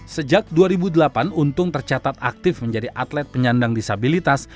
sejak dua ribu delapan untung tercatat aktif menjadi atlet penyandang disabilitas